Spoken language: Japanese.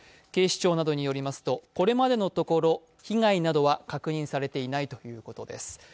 警視庁などによりますとこれまでのところ被害は確認されていないということです。